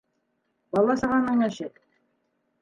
Бала-сағаның эше.